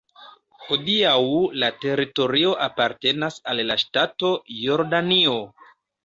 Hodiaŭ la teritorio apartenas al la ŝtato Jordanio.